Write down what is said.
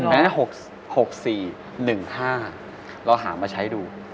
นั้น๖๔๑๕ลองหามาใช้ดู